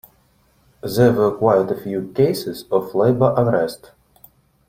There were quite a few cases of labour unrest.